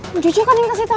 om jojo kan yang kasih tahu